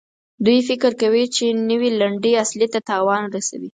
دوی فکر کوي چې نوي لنډۍ اصلي ته تاوان رسوي.